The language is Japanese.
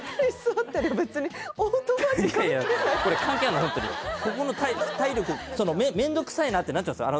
ホントにこれ関係あるのホントにここの体力面倒くさいなってなっちゃうんですよ